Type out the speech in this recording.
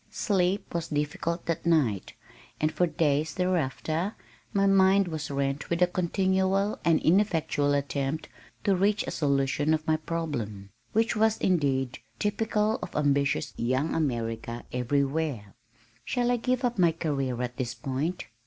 Sleep was difficult that night, and for days thereafter my mind was rent with a continual and ineffectual attempt to reach a solution of my problem, which was indeed typical of ambitious young America everywhere. "Shall I give up my career at this point?